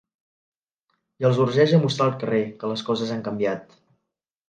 I els urgeix a mostrar al carrer ‘que les coses han canviat’.